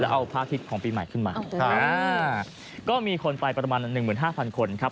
แล้วเอาพาทิศของปีใหม่ขึ้นมาขอบคุณนะครับก็มีคนไปประมาณหนึ่งหมื่นห้าพันคนครับ